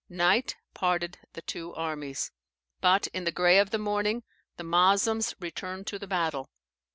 Night parted the two armies: but in the grey of the morning the Moslems returned to the battle.